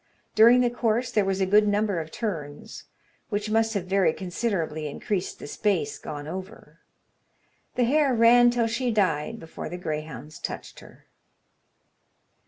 During the course there was a good number of turns, which must have very considerably increased the space gone over. The hare ran till she died before the greyhounds touched her.